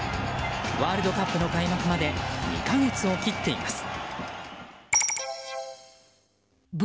ワールドカップの開幕まで２か月を切っています。